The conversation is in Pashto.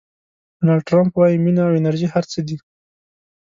ډونالډ ټرمپ وایي مینه او انرژي هر څه دي.